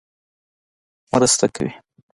مرسته کوي.